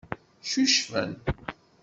Cucfen.